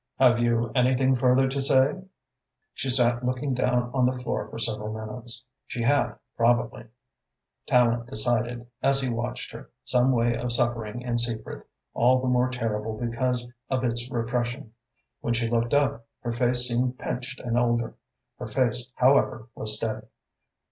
Have you anything further to say?" She sat looking down on the floor for several minutes. She had probably, Tallente decided as he watched her, some way of suffering in secret, all the more terrible because of its repression. When she looked up, her face seemed pinched and older. Her voice, however, was steady.